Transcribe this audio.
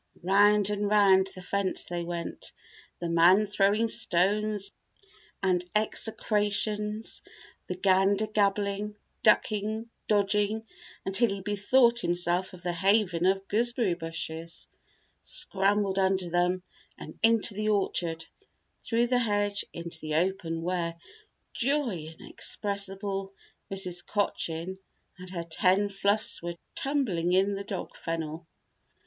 Round and round the fence they went, the man throwing stones and execrations; the gander gabbling, ducking, dodging until he bethought himself of the haven of gooseberry bushes, scrambled under them and into the orchard, through the hedge into the open where, joy inexpressible, Mrs. Cochin and her ten fluffs were tumbling in the dog fennel.